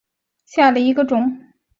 贡山栎为壳斗科栎属下的一个种。